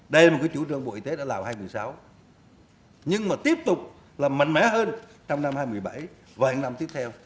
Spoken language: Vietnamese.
đây là một cái chủ trương bộ y tế đã làm hai mươi sáu nhưng mà tiếp tục là mạnh mẽ hơn trong năm hai mươi bảy và hàng năm tiếp theo